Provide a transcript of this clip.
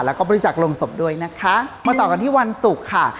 แล้วก็บริจักษ์ลงศพด้วยนะคะมาต่อกันที่วันศุกร์ค่ะ